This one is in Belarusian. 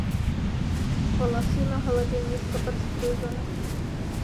Валасы на галаве нізка падстрыжаны.